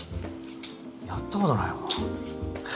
やったことないわ。